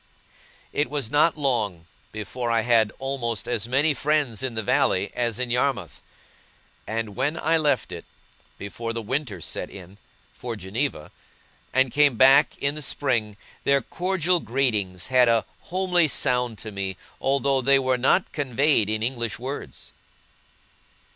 It was not long, before I had almost as many friends in the valley as in Yarmouth: and when I left it, before the winter set in, for Geneva, and came back in the spring, their cordial greetings had a homely sound to me, although they were not conveyed in English words.